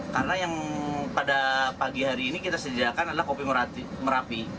karena yang pada pagi hari ini kita sediakan adalah kopi merapi